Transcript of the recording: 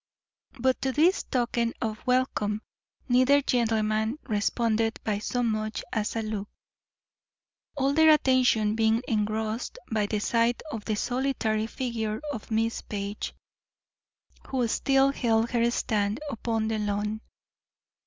But to this token of welcome neither gentleman responded by so much as a look, all their attention being engrossed by the sight of the solitary figure of Miss Page, who still held her stand upon the lawn.